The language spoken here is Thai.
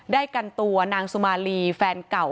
กันตัวนางสุมาลีแฟนเก่า